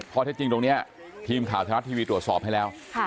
ข้อเท็จจริงตรงนี้ทีมข่าวไทยรัฐทีวีตรวจสอบให้แล้ว